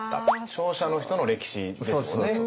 勝者の人の歴史ですもんね。